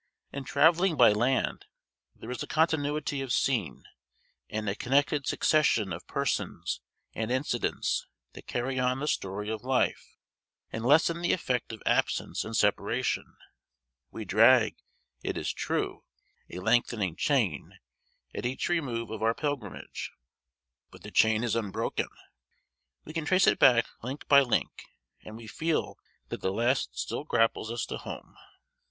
In travelling by land there is a continuity of scene, and a connected succession of persons and incidents, that carry on the story of life, and lessen the effect of absence and separation. We drag, it is true, "a lengthening chain" at each remove of our pilgrimage; but the chain is unbroken; we can trace it back link by link; and we feel that the last still grapples us to home.